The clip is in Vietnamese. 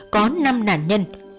có năm nạn nhân